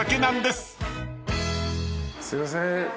すいません。